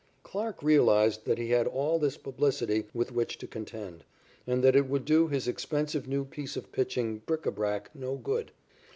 Clarke realized that he had all this publicity with which to contend, and that it would do his expensive new piece of pitching bric à brac no good.